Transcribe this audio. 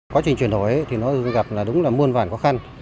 quá trình chuyển đổi thì nó gặp là đúng là muôn vàn khó khăn